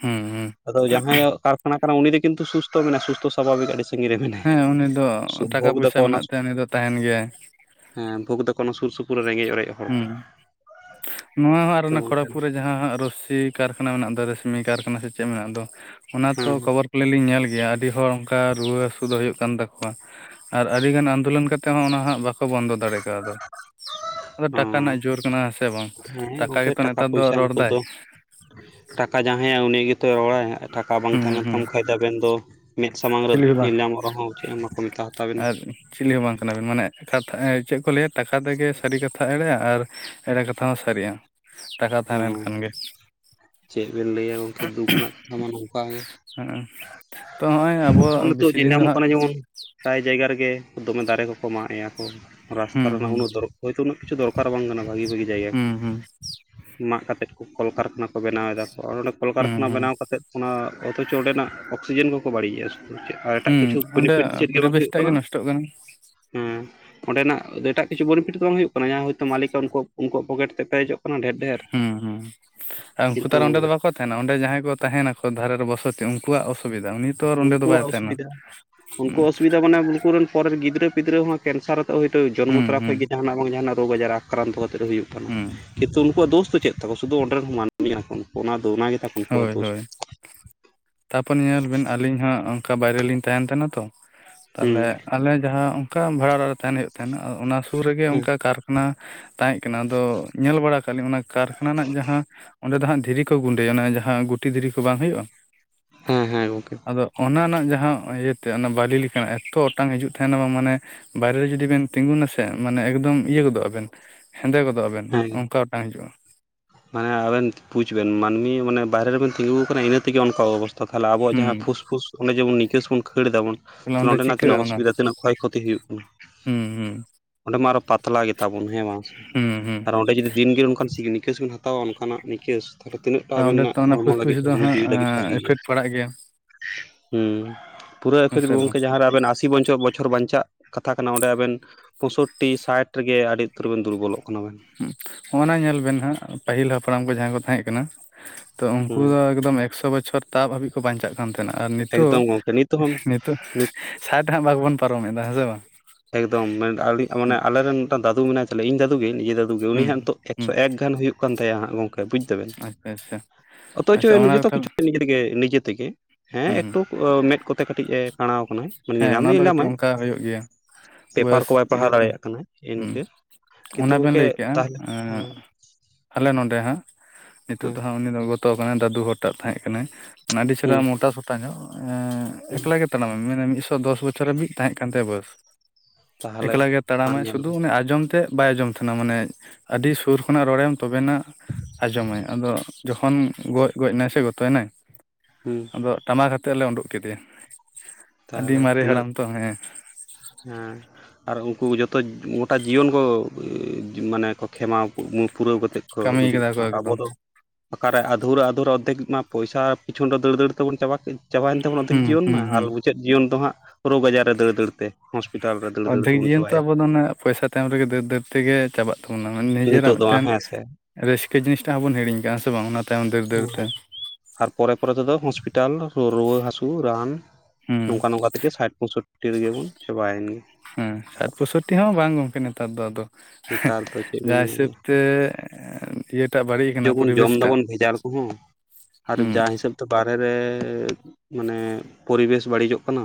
ᱦᱩᱸ ᱦᱩᱸ। ᱟᱫᱚ ᱡᱟᱦᱟᱸᱭᱟᱜ ᱠᱟᱨᱠᱷᱟᱱᱟ ᱠᱟᱱᱟ ᱩᱱᱤ ᱫᱚ ᱠᱤᱱᱛᱩ ᱥᱩᱥᱛᱚ ᱢᱮᱱᱟ ᱥᱩᱥᱛᱷᱚ ᱥᱟᱵᱷᱟᱵᱤᱠ ᱟᱹᱰᱤᱥ ᱦᱮᱸ ᱩᱱᱤ ᱫᱚ ᱴᱟᱠᱟ ᱯᱚᱭᱥᱟ ᱫᱟᱠᱚ ᱚᱱᱟ ᱢᱮᱱᱟᱜ ᱛᱟᱭᱟ ᱩᱱᱤ ᱫᱚ ᱛᱟᱦᱮᱱ ᱜᱮᱭᱟᱭ। ᱦᱮᱸ ᱵᱷᱳᱽ ᱫᱚᱠᱚ ᱚᱱᱟ ᱥᱩᱨ ᱥᱩᱯᱩᱨ ᱨᱮᱸᱜᱮᱡ ᱚᱨᱮᱡ ᱚ ᱦᱩᱸ ᱱᱚᱣᱟ ᱦᱚᱸ ᱟᱨ ᱛᱚ ᱚᱱᱟ ᱜᱚᱝᱠᱮ ᱦᱮᱸ ᱠᱷᱚᱲᱚᱠᱯᱩᱨᱮ ᱡᱟᱦᱟᱸ ᱦᱟᱸᱜ ᱨᱚᱥᱥᱤ ᱠᱟᱨᱠᱷᱟᱱᱟ ᱢᱮᱱᱟᱜ ᱫᱚ ᱨᱮᱥᱢᱤ ᱠᱟᱨᱠᱷᱟᱱᱟ ᱥᱮ ᱪᱮᱫ ᱢᱮᱱᱟᱜ ᱫᱚ ᱚᱱᱟ ᱛᱚ ᱠᱷᱚᱵᱚᱨ ᱟᱹᱞᱤᱧ ᱧᱮᱞ ᱜᱮᱭᱟ ᱟᱹᱰᱤ ᱦᱚᱲ ᱚᱱᱠᱟ ᱨᱩᱣᱟᱹ ᱦᱟᱹᱥᱩ ᱫᱚ ᱦᱩᱭᱩᱜ ᱠᱟᱱ ᱛᱟᱠᱚᱣᱟ। ᱟᱨ ᱟᱹᱰᱤᱜᱟᱱ ᱟᱱᱫᱳᱞᱚᱱ ᱠᱟᱛᱮ ᱦᱚᱸ ᱚᱱᱟ ᱦᱟᱸᱜ ᱵᱟᱠᱚ ᱵᱚᱱᱫᱚ ᱫᱟᱲᱮ ᱠᱟᱣᱫᱟ। ᱟᱫᱚ ᱴᱟᱠᱟ ᱨᱮᱱᱟᱜ ᱡᱳᱨ ᱠᱟᱱᱟ ᱦᱮᱸ ᱥᱮ ᱵᱟᱝ [inaudible] ᱩᱸ ᱦᱮᱸ ᱜᱚᱝᱠᱮ ᱜᱮᱛᱚ ᱴᱟᱠᱟ ᱱᱮᱛᱟᱨ ᱫᱚ ᱯᱚᱭᱥᱟ ᱨᱚᱲ ᱱᱤᱛᱚᱜ ᱫᱟᱭ ᱫᱚ ᱴᱟᱠᱟ ᱡᱟᱦᱟᱸᱟᱭ ᱩᱱᱤᱜᱮᱛᱚᱭ ᱨᱚᱲ-ᱟᱭ। ᱴᱟᱠᱟ ᱵᱟᱝ ᱦᱩᱸ ᱛᱟᱦᱮᱸ ᱱᱮᱱ ᱦᱩᱸ ᱠᱷᱟᱢ ᱟᱵᱤᱱ ᱫᱚ ᱢᱮᱫ ᱥᱟᱢᱟᱝ ᱨᱮ ᱪᱤᱞᱤ ᱦᱚᱸ ᱧᱮᱞ ᱵᱟᱝ ᱧᱟᱢᱚᱜ ᱨᱚᱦᱚᱸ ᱪᱮᱫ ᱦᱚᱸ ᱠᱟᱠᱚ ᱢᱮᱛᱟᱦ ᱛᱟᱵᱤᱱᱟ। ᱟᱨ ᱪᱤᱞᱤ ᱦᱚᱸ ᱵᱟᱝ ᱠᱟᱱᱟᱵᱤᱱ ᱢᱟᱱᱮ ᱠᱟᱛᱷᱟ ᱪᱮᱫ ᱠᱚ ᱞᱟᱹᱭᱟ ᱴᱟᱠᱟ ᱛᱮᱜᱮ ᱥᱟᱹᱨᱤ ᱠᱟᱛᱷᱟ ᱮᱲᱮᱜᱼᱟ ᱟᱨ ᱮᱲᱮ ᱠᱟᱛᱷᱟ ᱦᱚᱸ ᱥᱟᱹᱨᱤᱜᱼᱟ। ᱴᱟᱠᱟ ᱛᱟᱦᱮᱸ ᱞᱮᱱᱠᱷᱟᱱ ᱜᱮ। ᱪᱮᱜ ᱵᱮᱱ ᱞᱟᱹᱭᱟ ᱜᱚᱝᱠᱮ ᱫᱩᱠ ᱨᱮᱱᱟᱜ ᱛᱟᱢᱟ ᱱᱚᱝᱠᱟ ᱜᱮ ᱦᱮᱸ ᱛᱚ ᱱᱚᱜᱼᱚᱭ ᱟᱵᱚ ᱱᱚᱜ-ᱚᱭ ᱱᱤᱛᱳᱜ ᱵᱮᱥᱤ ᱧᱮᱞ ᱫᱤᱱ ᱫᱚ ᱧᱟᱢᱚᱜ ᱦᱟᱸᱜ ᱠᱟᱱᱟ ᱡᱮᱢᱚᱱ। ᱯᱨᱟᱭ ᱡᱟᱭᱜᱟ ᱨᱮᱜᱮ ᱫᱚᱢᱮ ᱫᱟᱨᱮ ᱠᱚᱠᱚ ᱢᱟᱜ ᱮᱸᱭᱟ ᱠᱚ ᱨᱟᱥᱛᱟ ᱦᱩᱸ ᱦᱩᱸ ᱨᱮᱱᱟᱜ ᱩᱱᱟᱹᱜ ᱫᱚᱨ ᱦᱳᱭᱛᱳ ᱩᱱᱟᱹᱜ ᱠᱤᱪᱷᱩ ᱫᱚᱨᱠᱟᱨ ᱵᱟᱝ ᱠᱟᱱᱟ ᱵᱷᱟᱜᱤ ᱵᱷᱟᱜᱤ ᱡᱟᱭᱜᱟ ᱠᱚ। ᱦᱩᱸ ᱦᱩᱸ ᱢᱟᱜ ᱠᱟᱛᱮᱫ ᱠᱚ ᱠᱚᱞᱠᱟᱨᱠᱷᱟᱱᱟ ᱠᱚ ᱵᱮᱱᱟᱣ ᱮᱫᱟ ᱠᱚ ᱟᱨ ᱚᱸᱰᱮ ᱦᱩᱸ ᱠᱚᱞᱠᱟᱨᱠᱷᱟᱱᱟ ᱦᱩᱸ ᱵᱮᱱᱟᱣ ᱠᱟᱛᱮᱫ ᱚᱱᱟ ᱚᱛᱷᱚᱪᱚ ᱚᱸᱰᱮᱱᱟᱜ ᱚᱠᱥᱤᱡᱮᱱ ᱠᱚᱠᱚ ᱵᱟᱹᱲᱤᱡᱮᱜᱼᱟ ᱥᱩ ᱪᱮᱜ ᱠᱟᱭ ᱮᱴᱟᱜ ᱠᱤᱪᱷᱩ ᱦᱩᱸ ᱚᱸᱰᱮ ᱵᱮᱱᱤᱯᱷᱤᱴ ᱫᱚ ᱪᱮᱫ ᱜᱮ ᱵᱟᱝ ᱯᱚᱨᱤᱵᱮᱥ ᱦᱩᱭᱩᱜ ᱴᱟᱜ ᱜᱮ ᱠᱟᱱᱟ। ᱱᱚᱥᱴᱚᱜ ᱦᱩᱸ ᱚᱸᱰᱮᱱᱟᱜ ᱮᱴᱟᱜ ᱠᱤᱪᱷᱩ ᱵᱚᱨᱤᱯᱷᱤᱴ ᱫᱚ ᱵᱟᱝ ᱦᱩᱭᱩᱜ ᱠᱟᱱᱟ ᱡᱟᱦᱟᱸ ᱦᱚᱭᱛᱳ ᱢᱟᱞᱤᱠᱟᱜ ᱩᱱᱠᱩᱯ ᱩᱱᱠᱩᱣᱟᱜ ᱯᱚᱠᱮᱴ ᱛᱮ ᱯᱮᱨᱮᱡᱚᱜ ᱚᱱᱟ ᱰᱷᱮᱨ ᱼᱼ ᱦᱩᱸ ᱦᱩᱸ ᱟᱨ ᱩᱱᱠᱩ ᱛᱚ ᱱᱚᱸᱰᱮ ᱫᱚ ᱵᱟᱠᱚ ᱛᱟᱦᱮᱱᱟ ᱚᱸᱰᱮ ᱡᱟᱦᱟᱸᱭ ᱠᱚ ᱛᱟᱦᱮᱱᱟ ᱠᱚ ᱫᱷᱟᱨᱮ ᱨᱮ ᱵᱚᱥᱚᱛᱤ ᱩᱝᱠᱩᱣᱟᱜ ᱚᱥᱩᱵᱤᱫᱟ ᱩᱱᱤ ᱛᱚ ᱟᱨ ᱚᱸᱰᱮ ᱫᱚ ᱵᱟᱭ ᱩᱱᱠᱩᱣᱟᱜ ᱛᱟᱦᱮᱱᱟ ᱚᱥᱩᱵᱤᱫᱟ ᱦᱩᱸ ᱩᱱᱠᱩᱣᱟᱜ ᱚᱥᱩᱵᱤᱫᱟ ᱢᱟᱱᱮ ᱟᱢ ᱩᱱᱠᱩ ᱨᱮᱱ ᱯᱚᱨᱮᱨ ᱜᱤᱫᱽᱨᱟᱹ ᱯᱤᱫᱽᱨᱟᱹ ᱦᱚᱸ ᱠᱮᱱᱥᱟᱨ ᱟᱛᱮ ᱦᱭᱛᱳ ᱡᱚᱱᱢᱚ ᱦᱩᱸ ᱛᱚᱨᱟ ᱦᱩᱸ ᱠᱷᱚᱡ ᱜᱮ ᱡᱟᱦᱟᱸᱱᱟᱜ ᱵᱟᱝ ᱡᱟᱦᱟᱸᱱᱟᱜ ᱨᱳᱜᱽ ᱟᱡᱟᱨ ᱟᱠᱨᱟᱱᱛᱚ ᱠᱟᱛᱮᱫ ᱦᱩᱭᱩᱜ᱾ ᱦᱩᱸ ᱠᱤᱱᱛᱩ ᱩᱱᱠᱩᱣᱟᱜ ᱫᱚᱥ ᱫᱚ ᱪᱮᱫ ᱛᱟᱠᱚ ᱥᱤᱫᱷᱩ ᱚᱱᱰᱮ ᱨᱮᱱ ᱢᱟᱹᱱᱢᱤ ᱠᱟᱱᱟ ᱠᱚ ᱩᱱᱠᱩ ᱚᱱᱟ ᱫᱚ ᱜᱮᱛᱟ ᱠᱚ ᱩᱱᱠᱩᱣᱟᱜ ᱦᱳᱭ ᱫᱳᱥ ᱦᱳᱭ᱾ ᱛᱟᱯᱚᱨ ᱧᱮᱞ ᱵᱮᱱ ᱟᱞᱤᱧ ᱦᱚᱸ ᱚᱝᱠᱟ ᱵᱟᱭᱨᱮ ᱞᱤᱧ ᱛᱟᱦᱮᱱ ᱛᱟᱦᱮᱱᱟ ᱛᱚ ᱦᱩᱸ ᱛᱟᱦᱞᱮ ᱟᱞᱮ ᱡᱟᱦᱟᱸ ᱚᱱᱠᱟ ᱵᱷᱟᱲᱟ ᱚᱲᱟᱜ ᱨᱮ ᱛᱟᱦᱮᱱ ᱦᱩᱭᱩᱜ ᱛᱟᱦᱮᱸᱱᱟ᱾ ᱚᱱᱟ ᱥᱩᱨ ᱨᱮᱜᱮ ᱦᱮᱸ ᱚᱱᱠᱟ ᱠᱟᱨᱠᱷᱟᱱᱟ ᱼᱼ ᱛᱟᱦᱮᱸᱫ ᱠᱟᱱᱟ ᱟᱫᱚ ᱧᱮᱞ ᱵᱟᱲᱟ ᱠᱟᱜ ᱟᱹᱞᱤᱧ ᱚᱱᱟ ᱠᱟᱨᱠᱷᱟᱱᱟ ᱨᱮᱱᱟᱜ ᱡᱟᱦᱟᱸ ᱚᱸᱰᱮ ᱫᱚ ᱦᱟᱸᱜ ᱫᱷᱤᱨᱤ ᱠᱚ ᱜᱩ ᱥᱮ ᱚᱱᱟ ᱡᱟᱦᱟᱸ ᱜᱩᱴᱤ ᱫᱷᱤᱨᱤ ᱠᱚ ᱵᱟᱝ ᱦᱩᱭᱩᱜᱼᱟ? ᱦᱮᱸ ᱦᱮᱸ ᱜᱚᱝᱠᱮ ᱾ ᱟᱫᱚ ᱚᱱᱟ ᱨᱮᱱᱟᱜ ᱡᱟᱦᱟᱸ ᱤᱭᱟᱹ ᱛᱮ ᱚᱱᱟ ᱵᱟᱹᱞᱤ ᱞᱮᱠᱟᱱᱟᱜ ᱮᱠᱛᱚ ᱚᱴᱟᱝ ᱦᱟᱹᱡᱩᱜ ᱛᱟᱦᱮᱸᱱᱟ ᱵᱟᱝ ᱢᱟᱱᱮ ᱵᱟᱭᱨᱮ ᱨᱮ ᱡᱩᱫᱤ ᱵᱮᱱ ᱛᱤᱸᱜᱩᱱᱟᱥᱮ ᱢᱟᱱᱮ ᱮᱠᱫᱚᱢ ᱤᱭᱟᱹ ᱜᱚᱫᱚᱜ ᱟᱵᱮᱱ᱾ ᱦᱮᱸᱫᱮ ᱜᱚᱫᱚᱜ ᱟᱵᱮᱱ ᱚᱝᱠᱟ ᱚᱴᱟᱝ ᱦᱤᱡᱩᱜᱼᱟ᱾ ᱦᱮᱸ ᱟᱹᱵᱤᱱ ᱵᱩᱡ ᱵᱮᱱ ᱢᱟᱹᱱᱢᱤ ᱢᱟᱱᱮ ᱵᱟᱨᱦᱮ ᱨᱮᱵᱮᱱ ᱛᱤᱸᱜᱩᱣᱠᱟᱱᱟ ᱤᱱᱟᱹ ᱛᱮᱜᱮ ᱚᱱᱠᱟ ᱚᱵᱚᱥ ᱛᱚ ᱛᱟᱦᱟᱞᱮ ᱟᱵᱚᱣᱟᱜ ᱡᱟᱦᱟᱸ ᱦᱩᱸ ᱯᱷᱩᱥ ᱯᱷᱩᱥ ᱚᱸᱰᱮ ᱡᱮᱢᱚᱱ ᱱᱤᱟᱠᱹᱥ ᱵᱚᱱ ᱠᱷᱟᱹᱲ ᱮᱫᱟᱵᱚᱱ। ᱛᱟᱦᱞᱮ ᱛᱚ ᱚᱸᱰᱮ ᱱᱚᱰᱮᱱᱟᱜ ᱪᱤᱠᱟᱹᱜᱼᱟ ᱛᱤᱱᱟᱹᱜ ᱚᱱᱟ ᱚᱥᱩᱵᱤᱫᱷᱟ ᱛᱤᱱᱟᱹᱜ ᱠᱷᱚᱭ ᱠᱷᱚᱛᱤ ᱦᱩᱭᱩᱜ ᱠᱟᱱᱟ ᱦᱩᱸ ᱦᱩᱸ ᱾ ᱚᱸᱰᱮ ᱢᱟ ᱟᱨᱚ ᱯᱟᱛᱞᱟ ᱜᱮᱛᱟᱵᱚᱱ ᱦᱮᱸ ᱵᱟᱝ ᱥᱮ? ᱦᱩᱸ ᱦᱩᱸ ᱟᱨ ᱚᱸᱰᱮ ᱡᱩᱫᱤ ᱫᱤᱱᱜᱤ ᱚᱱᱠᱟᱱ ᱥᱤᱜ ᱱᱤᱠᱟᱹᱥ ᱵᱚᱱ ᱦᱟᱛ ᱛᱚ ᱚᱱᱠᱟᱱᱟᱜ ᱱᱤᱠᱮᱥ ᱛᱟᱦᱚᱞᱮ ᱛᱤᱱᱟᱹᱜ ᱴᱟ ᱟᱵᱮᱱ ᱚᱸᱰᱮ ᱛᱚ ᱚᱱᱟ ᱦᱚᱲᱢᱚ ᱞᱟᱹᱜᱤᱫ ᱯᱷᱩᱥᱯᱷᱩᱥ ᱫᱚ ᱦᱚᱲᱢᱚ ᱦᱟᱸᱜ ᱡᱤᱣᱤ ᱞᱟᱹᱜᱤᱫ ᱵᱷᱟᱜᱮ ᱜᱮᱭᱟ? ᱤᱯᱷᱮᱠᱴ ᱯᱟᱲᱟᱜ ᱜᱮᱭᱟ ᱦᱩᱸ ᱯᱩᱨᱟᱹ ᱦᱮᱸ ᱟᱹᱠᱷᱤᱨ ᱥᱮ ᱵᱟᱝ ᱜᱚᱝᱠᱮ ᱡᱟᱦᱟᱸ ᱨᱮ ᱟᱵᱮᱱ ᱟᱥᱤ [unintelligible] ᱵᱚᱪᱷᱚᱨ ᱵᱚᱪᱷᱚᱨ ᱵᱟᱧᱪᱟᱜ ᱠᱟᱛᱷᱟ ᱠᱟᱱᱟ ᱚᱸᱰᱮ ᱟᱵᱮᱱ ᱯᱚᱸᱥᱳᱴᱴᱤ ᱥᱟᱴ ᱨᱮ ᱜᱮ ᱟᱹᱰᱤ ᱩᱛᱟᱹᱨ ᱵᱮᱱ ᱫᱩᱨᱵᱚᱞᱚᱜ ᱠᱟᱱᱟ ᱵᱮᱱ ᱾ ᱦᱮᱸ ᱦᱚᱸᱜ ᱱᱟ ᱧᱮᱞ ᱵᱮᱱ ᱦᱟᱸᱜ ᱯᱟᱹᱦᱤᱞ ᱦᱟᱯᱲᱟᱢ ᱠᱚ ᱡᱟᱦᱟᱸᱭ ᱠᱚ ᱛᱟᱦᱮᱸ ᱠᱟᱱᱟ ᱛᱚ ᱩᱱᱠᱩ ᱦᱩᱸ ᱫᱚ ᱮᱠᱫᱚᱢ ᱮᱠᱥᱚ ᱵᱚᱪᱷᱚᱨ ᱛᱟᱵ ᱦᱟᱹᱵᱤᱡ ᱠᱚ ᱵᱟᱧᱪᱟᱜ ᱾ ᱠᱟᱱ ᱛᱟᱦᱮᱱᱟ ᱟᱨ ᱱᱤᱛᱚᱜ ᱮᱠᱫᱚᱢ ᱜᱚᱢᱠᱮ ᱱᱤᱛ ᱦᱚᱸ ᱱᱤᱛᱚᱜ ᱥᱟᱴ ᱦᱟᱸᱜ ᱵᱟᱵᱚᱱ ᱯᱟᱨᱚᱢᱮᱫᱟ ᱦᱮᱸ ᱥᱮ ᱵᱟᱝ? ᱮᱠᱫᱚᱢ ᱦᱩᱸ ᱢᱟᱱᱮ ᱟᱞᱮ ᱨᱮᱱ ᱢᱤᱫᱴᱟᱝ ᱫᱟᱫᱩ ᱢᱮᱱᱟᱭ ᱛᱟᱞᱮᱭᱟ ᱤᱧ ᱫᱟᱫᱩ ᱜᱮ ᱱᱤᱡᱮ ᱫᱟᱫᱩ ᱜᱮ ᱩᱱᱤ ᱦᱩᱸ ᱦᱟᱸᱜ ᱱᱤᱛᱚᱜ ᱮᱠ ᱥᱚ ᱦᱩᱸ ᱮᱠ ᱜᱟᱱ ᱦᱩᱭᱩᱜ ᱠᱟᱱ ᱛᱟᱭᱟ ᱦᱟᱸᱜ ᱜᱚᱝᱠᱮ ᱵᱩᱡᱷ ᱫᱟᱵᱮᱱ ᱟᱪᱪᱷᱟ ᱟᱪᱪᱷᱟ ᱚᱛᱷᱚᱪᱚ ᱟᱪᱪᱷᱟ ᱚᱱᱟ ᱱᱤᱡᱮ ᱛᱚ ᱠᱟᱛᱷᱟ ᱦᱩᱸ ᱠᱤᱪᱷᱩ ᱛᱮᱜᱮ ᱱᱤᱡᱮ ᱛᱮᱜᱮ ᱦᱮᱸ ᱦᱩᱸ ᱮᱠᱴᱩ ᱢᱮᱫ ᱠᱚᱛᱮ ᱠᱟᱹᱴᱤᱡ ᱮ ᱠᱟᱬᱟᱣ ᱟᱠᱟᱱᱟᱭ ᱢᱟᱱᱮ ᱧᱮᱞ ᱧᱟᱢ ᱫᱚᱭ ᱧᱮᱞ ᱧᱟᱢᱼᱟ᱾ ᱛᱟᱣ ᱦᱩᱭᱩᱜ ᱜᱮᱭᱟ᱾ ᱯᱮᱯᱟᱨ ᱠᱚ ᱵᱚᱭᱮᱥ ᱵᱟᱭ ᱯᱟᱲᱦᱟᱣ ᱤᱭᱟᱹ ᱛᱚ ᱫᱟᱲᱮᱭᱟᱜ ᱠᱟᱱᱟ ᱤᱱᱠᱟᱹ। ᱦᱩᱸ ᱠᱤᱱᱛᱩ ᱚᱱᱟ ᱵᱮᱱ ᱜᱚᱝᱠᱮ ᱞᱟᱹᱭ ᱠᱮᱜᱼᱟ ᱛᱟᱦᱚᱞᱮ ᱦᱮᱸ ᱟᱞᱮ ᱱᱚᱸᱰᱮ ᱦᱟᱸᱜ ᱱᱤᱛᱚᱜ ᱦᱮᱸ ᱫᱚ ᱦᱟᱸᱜ ᱩᱱᱤ ᱫᱚ ᱜᱚᱛᱚ ᱠᱟᱱᱟᱭ ᱫᱟᱹᱫᱩ ᱦᱚᱲᱴᱟᱜ ᱛᱟᱦᱮᱸ ᱠᱟᱱᱟᱭ᱾ ᱢᱟᱱᱮ ᱟᱹᱰᱤ ᱦᱩᱸ ᱪᱮᱨᱦᱟ ᱢᱚᱴᱟ ᱥᱚᱴᱟ ᱧᱚᱜ ᱮᱸ ᱦᱩᱸ ᱮᱠᱞᱟ ᱜᱮ ᱛᱟᱲᱟᱢᱟᱭ ᱢᱮᱱᱟ ᱥᱚ ᱫᱚᱥ ᱵᱚᱪᱷᱚᱨ ᱦᱟᱹᱵᱤᱡ ᱛᱟᱦᱮᱸᱜ ᱠᱟᱱ ᱛᱟᱭᱟ ᱵᱚᱭᱚᱥ ᱛᱟᱦᱞᱮ ᱮᱠᱞᱟ ᱜᱮ ᱟᱨ ᱛᱟᱲᱟᱢᱟᱭ ᱧᱮᱞ ᱥᱩᱫᱷᱩ ᱵᱮᱱ ᱚᱱᱮ ᱟᱸᱡᱚᱢ ᱛᱮᱫ ᱵᱟᱭ ᱟᱸᱡᱚᱢ ᱛᱟᱦᱮᱱᱟ᱾ ᱢᱟᱱᱮ ᱟᱹᱰᱤ ᱥᱩᱨ ᱠᱷᱚᱱᱟᱜ ᱨᱚᱲᱟᱭᱟᱢ ᱛᱚᱵᱮᱱᱟᱜ ᱟᱸᱡᱚᱢᱟᱭ। ᱟᱫᱚ ᱼᱼ ᱡᱚᱠᱷᱚᱱ ᱜᱚᱡ ᱜᱚᱡ ᱮᱱᱟᱭ ᱥᱮ ᱜᱚᱛᱚᱭᱱᱟᱭ ᱦᱩᱸ᱾ ᱟᱫᱚ ᱴᱟᱢᱟᱠ ᱟᱛᱮᱫ ᱞᱮ ᱩᱸᱰᱩᱠ ᱠᱮᱫᱮᱭᱟ᱾ ᱟᱹᱰᱤ ᱛᱟᱦᱚᱞᱮ ᱢᱟᱨᱮ ᱛᱤᱱᱟᱹᱜ ᱦᱟᱲᱟᱢ ᱛᱚ ᱦᱮᱸ ᱦᱮᱸ᱾ ᱟᱨ ᱩᱱᱠᱩ ᱡᱚᱛᱚ ᱜᱚᱴᱟ ᱡᱤᱭᱚᱱ ᱠᱚ, ᱢᱟᱱᱮ ᱠᱚ ᱠᱷᱮᱢᱟᱣ ᱩᱰᱩᱠ ᱼᱼ ᱯᱩᱨᱟᱹᱣ ᱠᱟᱛᱮᱫ ᱠᱚ ᱠᱟᱹᱢᱤ ᱜᱩᱡᱩᱜ ᱠᱟᱫᱟ ᱠᱟᱱᱟ ᱠᱚ ᱟᱨ ᱟᱵᱚ ᱮᱠᱫᱚᱢ ᱫᱚ ᱚᱠᱟᱨᱮ ᱟᱫᱷᱩᱨᱟ ᱟᱫᱷᱩᱨᱟ ᱚᱨᱫᱷᱮᱠ ᱢᱟ ᱯᱚᱭᱥᱟ ᱯᱤᱪᱷᱩᱱ ᱨᱮ ᱫᱟᱹᱲ ᱫᱟᱹᱲ ᱛᱮᱵᱚᱱ ᱪᱟᱵᱟ ᱠᱮᱫ᱾ ᱪᱟᱵᱟᱭᱮᱱ ᱛᱟᱵᱚᱱᱟ ᱚᱱᱟ ᱛᱮᱜᱮ ᱦᱩᱸ ᱡᱤᱭᱚᱱ ᱢᱟ। ᱦᱩᱸ ᱟᱨ ᱦᱩᱸ ᱢᱩᱪᱟᱹᱫ ᱡᱤᱭᱚᱱ ᱫᱚ ᱦᱟᱸᱜ ᱨᱳᱜ ᱟᱡᱟᱨ ᱼᱼ ᱚᱨᱫᱷᱮᱠ ᱡᱤᱭᱚᱱ ᱛᱚ ᱪᱟᱵᱟᱭᱟ ᱟᱵᱚ ᱫᱚ ᱚᱱᱮ ᱯᱚᱭᱥᱟ ᱛᱟᱭᱚᱢ ᱨᱮᱜᱮ ᱫᱟᱹᱲ ᱫᱟᱹᱲ ᱛᱮᱜᱮ ᱪᱟᱵᱟᱜ ᱛᱟᱵᱚᱱᱟ। ᱱᱤᱡᱮᱨᱟᱜ ᱱᱤᱛᱚᱜ ᱫᱚ ᱢᱤᱫᱴᱮᱱ ᱦᱮᱸ ᱥᱮ ᱨᱟᱹᱥᱠᱟᱹ ᱡᱤᱱᱤᱥᱴᱟᱜ ᱦᱚᱸ ᱵᱚᱱ ᱦᱤᱲᱤᱧ ᱠᱟᱜᱼᱟ। ᱥᱮ ᱵᱟᱝ? ᱚᱱᱟ ᱼᱼ ᱫᱟᱹᱲ ᱦᱮᱸ ᱛᱮ ᱟᱨ ᱯᱚᱨᱮ ᱯᱚᱨᱮ ᱛᱮᱫᱚ ᱦᱚᱥᱯᱤᱴᱟᱞ ᱨᱩᱣᱟᱹ ᱦᱟᱹᱥᱩ ᱨᱟᱱ ᱦᱩᱸ ᱱᱚᱝᱠᱟ ᱱᱚᱝᱠᱟ ᱛᱮᱜᱮ ᱥᱟᱴ ᱯᱳᱸᱥᱳᱴᱴᱤ ᱨᱮᱜᱮ ᱵᱚᱱ ᱪᱟᱵᱟᱭᱮᱱ ᱜᱮ᱾ ᱦᱮᱸ ᱥᱟᱴ ᱯᱳᱥᱳᱴᱴᱤ ᱦᱚᱸ ᱵᱟᱝ ᱜᱚᱝᱠᱮ ᱱᱮᱛᱟᱨ ᱫᱚ ᱟᱫᱚ ᱱᱮᱛᱟᱨ ᱫᱚ ᱪᱮᱫ ᱡᱟ ᱵᱮᱱ ᱦᱤᱥᱟᱹᱵ ᱛᱮᱻ ᱮᱸᱢ ᱡᱮᱵᱚᱱ ᱡᱚᱢ ᱫᱟᱵᱚᱱ ᱵᱷᱮᱡᱟᱞ ᱠᱚᱦᱚᱸ ᱟᱨ ᱦᱩᱸ ᱡᱟ ᱦᱤᱥᱟᱹᱵ ᱛᱚ ᱵᱟᱨᱦᱮ ᱨᱮᱻ ᱢᱟᱱᱮ ᱯᱚᱨᱤᱵᱮᱥ ᱵᱟᱹᱲᱤᱡᱚᱜ ᱠᱟᱱᱟ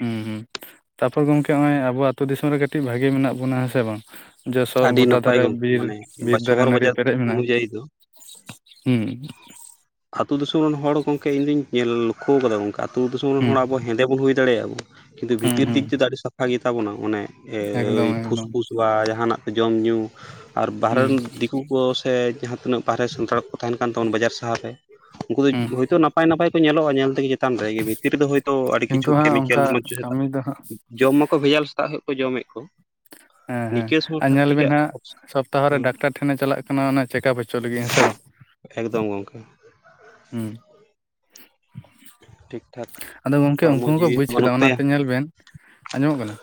ᱦᱩᱸ ᱦᱩᱸ ᱛᱟᱨᱯᱚᱨ ᱜᱚᱝᱠᱮ ᱦᱚᱸᱜᱼᱚᱭ ᱟᱵᱚ ᱟᱹᱛᱩ ᱫᱤᱥᱚᱢ ᱨᱮ ᱠᱟᱹᱴᱤᱡ ᱵᱷᱟᱜᱤ ᱢᱮᱱᱟᱜ ᱵᱚᱱᱟ ᱦᱮᱸ ᱥᱮ ᱵᱟᱝ ᱡᱚᱥᱚ ᱟᱹᱰᱤ ᱜᱳᱴᱟ ᱱᱟᱯᱟᱭ ᱫᱷᱟᱨᱮ ᱜᱚᱝᱠᱮ ᱵᱤᱨ ᱢᱟᱱᱮ ᱵᱤᱨ ᱫᱟᱨᱮ ᱥᱚᱦᱚᱨ ᱱᱟᱹᱲᱤ ᱵᱟᱡᱟᱨ ᱯᱮᱨᱮᱡ ᱢᱮᱱᱟᱜᱼᱟ ᱚᱱᱩᱡᱟᱭᱤ ᱫᱚ ᱦᱩᱸ ᱟᱹᱛᱩ ᱫᱤᱥᱚᱢ ᱨᱮᱱ ᱦᱚᱲ ᱜᱚᱝᱠᱮ ᱤᱧᱫᱩᱧ ᱧᱮᱞ ᱞᱚᱠᱠᱷᱚᱣ ᱠᱟᱫᱟ ᱜᱚᱝᱠᱮ ᱟᱹᱛᱩ ᱫᱤᱥᱚᱢ ᱨᱮᱱ ᱦᱩᱸ ᱦᱚᱲ ᱟᱵᱚ ᱦᱮᱸᱫᱮ ᱵᱚᱱ ᱦᱩᱭ ᱫᱟᱲᱮᱭᱟᱜᱼᱟ ᱟᱵᱚ ᱠᱤᱱᱛᱩ ᱦᱩᱸ ᱵᱷᱤᱛᱤᱨ ᱦᱩᱸ ᱫᱤᱠ ᱛᱮᱫᱚ ᱟᱹᱰᱤ ᱥᱟᱯᱷᱟ ᱜᱮ ᱛᱟᱵᱚᱱᱟ ᱚᱱᱮ ᱡᱮᱻ ᱳᱭ ᱮᱠᱫᱚᱢ ᱮᱠᱫᱚᱢ ᱯᱷᱩᱥᱯᱷᱩᱥ ᱵᱟ ᱡᱟᱦᱟᱱᱟᱜ ᱡᱚᱢ ᱧᱩ ᱟᱨ ᱵᱟᱨᱦᱮ ᱦᱩᱸ ᱨᱤᱱ ᱫᱤᱠᱼᱼ ᱠᱩ ᱠᱚ ᱥᱮ ᱡᱟᱦᱟᱸ ᱛᱤᱱᱟᱹᱜ ᱵᱟᱦᱨᱮ ᱥᱟᱱᱛᱟᱲ ᱠᱚ ᱛᱟᱦᱮᱱ ᱠᱟᱱ ᱛᱟᱵᱚᱱ ᱵᱟᱡᱟᱨ ᱥᱟᱦᱟᱨ ᱨᱮ ᱩᱱᱠᱩ ᱫᱚ ᱦᱩᱸ ᱦᱚᱭᱛᱚ ᱱᱟᱯᱟᱭ ᱱᱟᱯᱟᱭ ᱠᱚ ᱧᱮᱞᱚᱜᱼᱟ ᱧᱮᱞ ᱛᱮᱜᱮ ᱪᱮᱛᱟᱱ ᱨᱮ ᱡᱮ ᱵᱷᱤᱛᱤᱨ ᱨᱮᱫᱚ ᱦᱚᱭᱛᱚ ᱟᱹᱰᱤ ᱠᱤᱪᱷᱩ ᱠᱤᱱᱛᱩ ᱦᱟᱸᱜ ᱠᱮᱢᱤᱠᱮᱞ ᱚᱱᱠᱟ ᱠᱟᱹᱢᱤ ᱫᱚ ᱦᱟᱸᱜ ᱡᱚᱢ ᱢᱟᱠᱚ ᱵᱷᱮᱡᱟᱞ ᱥᱮᱛᱟᱜ [unintelligible] ᱠᱚ ᱡᱚᱢᱮᱜ ᱠᱚ ᱦᱚᱸ ᱦᱚᱸ ᱱᱤᱠᱟᱹᱥ ᱟᱨᱱᱟᱜ ᱴᱷᱟᱠ ᱧᱮᱞ ᱟᱵᱤᱱ ᱴᱷᱤᱠᱟᱜ ᱦᱟᱸᱜ ᱥᱚᱯᱛᱟᱦᱚ ᱨᱮ ᱦᱮᱸ ᱰᱟᱠᱛᱟᱨ ᱴᱷᱮᱱᱮ ᱪᱟᱞᱟᱜ ᱠᱟᱱᱟ ᱚᱱᱟ ᱪᱮᱠᱟᱯ ᱦᱚᱪᱚᱜ ᱞᱟᱹᱜᱤᱫ ᱦᱮᱸ ᱥᱮ ᱵᱟᱝ ᱮᱠᱫᱚᱢ ᱜᱚᱝᱠᱮ ᱦᱩᱸ ᱴᱷᱤᱠ ᱴᱷᱟᱠ ᱟᱫᱚ ᱜᱚᱝᱠᱮ ᱩᱱᱠᱩ ᱦᱚᱲᱢᱚ ᱦᱚᱸᱠᱚ ᱡᱤᱣᱤ ᱵᱩᱡ ᱵᱟᱹᱱᱩᱜ ᱠᱟᱫᱟ ᱛᱟᱭᱟ ᱚᱱᱟᱛᱮ ᱧᱮᱞ ᱵᱮᱱ ᱟᱸᱡᱚᱢᱚᱜ ᱠᱟᱱᱟ